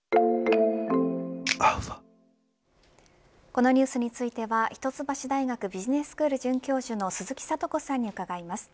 このニュースについては一橋大学ビジネススクール准教授の鈴木智子さんに伺います。